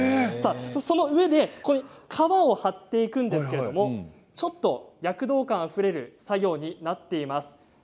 この上に革を張っていくんですけれど躍動感あふれる作業になっています。